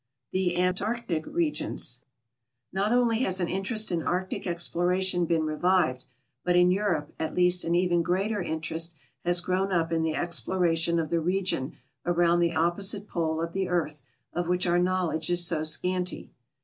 THE ANTARCTIC REGIONS Not only has an interest in Arctic exploration been revived, but in Europe at least an even greater interest has grown up in the exploration of the region around the opposite Pole of the earth of which our knowledge is so scanty.